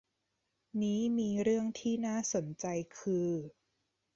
นี้มีเรื่องที่น่าสนใจคือ